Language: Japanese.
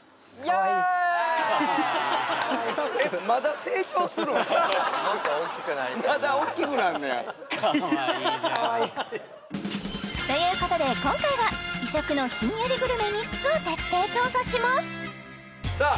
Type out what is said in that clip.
まだおっきくなんねやということで今回は異色のひんやりグルメ３つを徹底調査しますさあ